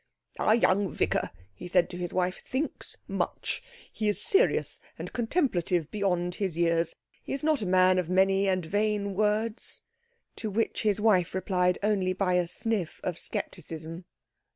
"Our young vicar," he said to his wife, "thinks much. He is serious and contemplative beyond his years. He is not a man of many and vain words." To which his wife replied only by a sniff of scepticism.